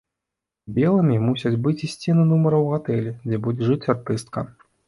Белымі мусяць быць і сцены нумара ў гатэлі, дзе будзе жыць артыстка.